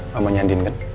mamanya andien kan